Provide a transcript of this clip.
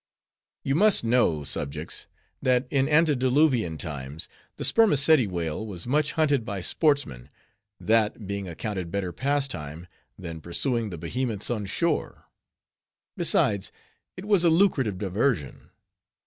You must know, subjects, that in antediluvian times, the Spermaceti whale was much hunted by sportsmen, that being accounted better pastime, than pursuing the Behemoths on shore. Besides, it was a lucrative diversion.